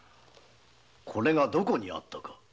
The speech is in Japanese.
これがどこにあったか。